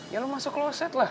ya lo masuk kloset lah